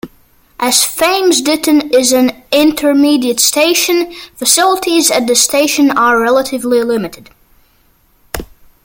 As Thames Ditton is an intermediate station, facilities at the station are relatively limited.